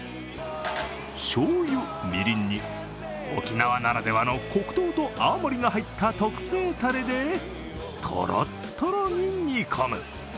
しょうゆ、みりんに、沖縄ならではの黒糖と泡盛が入った特製たれでトロットロに煮込む。